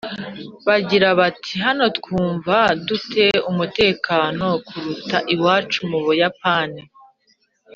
Bagira bati hano twumva du te umutekano kuruta iwacu mu Buyapani